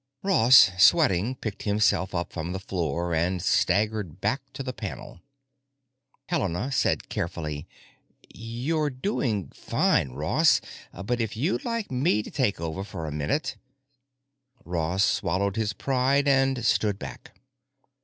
Ross, sweating, picked himself up from the floor and staggered back to the panel. Helena said carefully, "You're doing fine, Ross, but if you'd like me to take over for a minute——" Ross swallowed his pride and stood back.